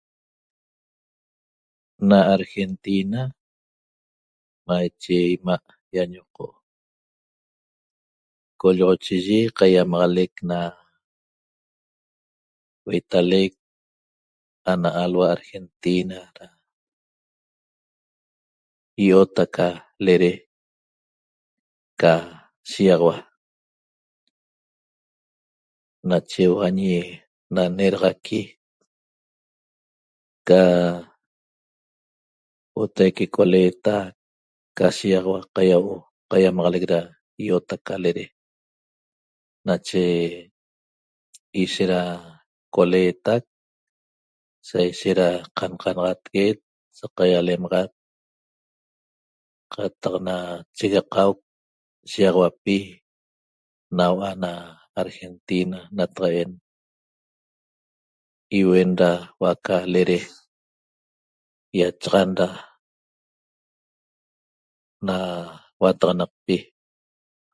Na argentina maiche imaa ñañoco collochiyi ca yamaleq huetaleq ana alhua argentina yot aca lere ca shiaxaua nache huoo añi naneraxaqui ca huotaique coletaq ca shiexaua caiahuo caiamaxaleq da yotaca lere nache ishet da coletaq saishet da coletaq saishet cancalacateq so cahialemaxat cataq ena checahuu na shiaxauapi nahua na argentina nataqaen ihuen da huaca lere yachaxan da na uataxanaqpi